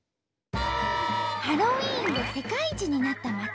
ハロウィーンで世界一になった街。